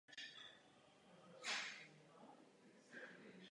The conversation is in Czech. Sochu Svatého Filipa financoval arcibiskup z Würzburgu.